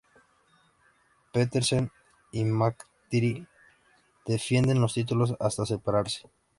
Petersen y McIntyre defienden los títulos hasta separarse.